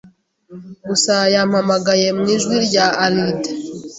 gusa yampamagaye mu ijwi rya Alide